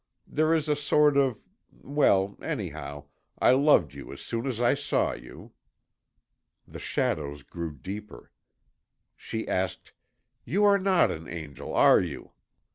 There is a sort of Well, anyhow I loved you as soon as I saw you." The shadows grew deeper. She asked: "You are not an angel, are you?